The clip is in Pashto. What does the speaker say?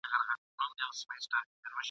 ملنګه ! په اخبار کښې يو خبر هم ﺯمونږ نشته !.